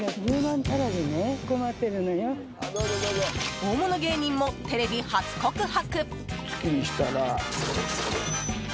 大物芸人もテレビ初告白！